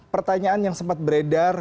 pertanyaan yang sempat beredar